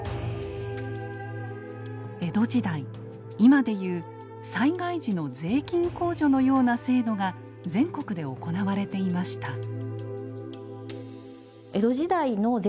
江戸時代今で言う災害時の税金控除のような制度が全国で行われていました。